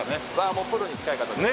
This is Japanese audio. もうプロに近い方です。